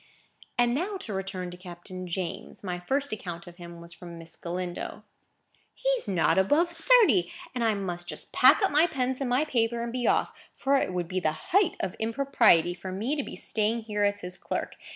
And now to return to Captain James. My first account of him was from Miss Galindo. "He's not above thirty; and I must just pack up my pens and my paper, and be off; for it would be the height of impropriety for me to be staying here as his clerk.